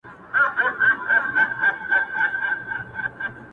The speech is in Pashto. د زړگي ښار ته مي لړم د لېمو مه راوله;